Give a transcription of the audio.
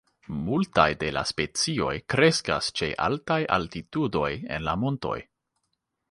Multaj de la specioj kreskas ĉe altaj altitudoj en la montoj.